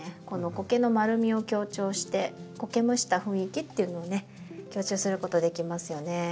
このコケの丸みを強調してコケむした雰囲気っていうのをね強調することできますよね。